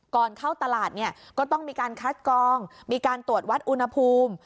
ก่อนเข้าตลาดเนี่ยก็ต้องมีการคัดกองมีการตรวจวัดอุณหภูมิ